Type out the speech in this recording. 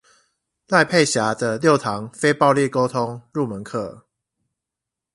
賴佩霞的六堂非暴力溝通入門課